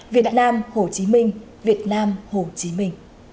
việt nam hồ chí minh việt nam hồ chí minh